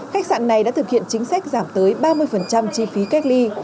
khách sạn này đã thực hiện chính sách giảm tới ba mươi chi phí cách ly